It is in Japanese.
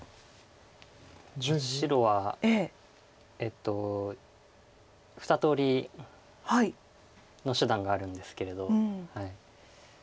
白は２通りの手段があるんですけれど。